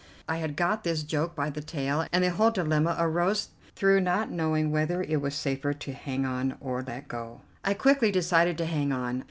I had got this joke by the tail, and the whole dilemma arose through not knowing whether it was safer to hang on or let go. I quickly decided to hang on.